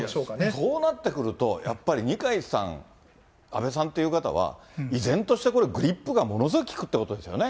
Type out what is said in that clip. そうなってくると、やっぱり二階さん、安倍さんという方は、依然としてこれ、グリップがものすごく利くということですよね。